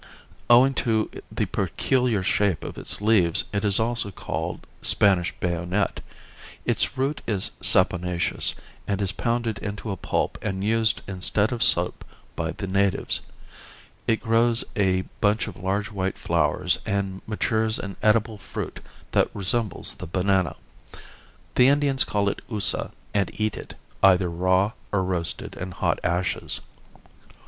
Owing to the peculiar shape of its leaves it is also called Spanish bayonet. Its root is saponaceous, and is pounded into a pulp and used instead of soap by the natives. It grows a bunch of large white flowers, and matures an edible fruit that resembles the banana. The Indians call it oosa, and eat it, either raw or roasted in hot ashes.